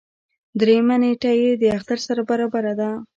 دريیمه نېټه یې د اختر سره برابره ده.